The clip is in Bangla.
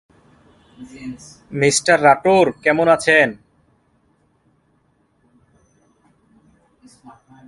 মিস্টার রাটোর কেমন আছেন?